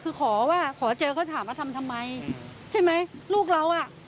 คือขอว่าขอเจอเขาถามว่าทำทำไมใช่ไหมลูกเราอ่ะ